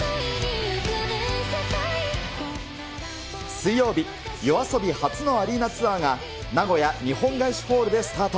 水曜日、ＹＯＡＳＯＢＩ初のアリーナツアーが、名古屋・日本ガイシでスタート。